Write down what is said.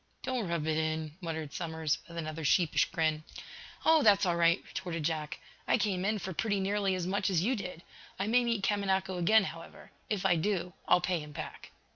"Don't rub it in," muttered Somers, with another sheepish grin. "Oh, that's all right," retorted Jack. "I came in for pretty nearly as much as you did. I may meet Kamanako again, however. If I do, I'll pay him back."